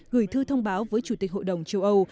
gửi thư thông báo với chủ tịch hội đồng châu âu